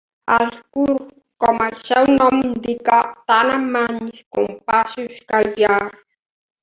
Els curts, com el seu nom indica, tenen menys compassos que els llargs.